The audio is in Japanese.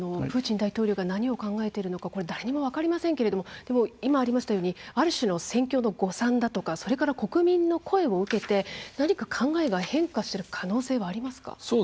プーチン大統領が何を考えているのか誰にも分かりませんけれども今ありましたようにある種の戦況の誤算だとかそれから国民の声を受けて何か考えが変化する可能性はありますか？